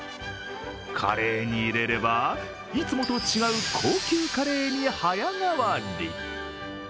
カレーに入れれば、いつもと違う高級カレーに早変わり。